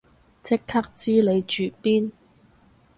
即刻知你住邊